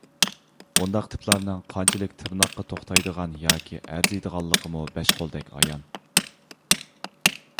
بۇنداق تىپلارنىڭ قانچىلىك تىرناققا توختايدىغان ياكى ئەرزىيدىغانلىقىمۇ بەش قولدەك ئايان.